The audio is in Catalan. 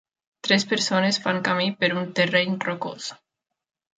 Tres persones fan camí per un terreny rocós.